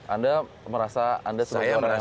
anda merasa anda sudah seorang yang profesional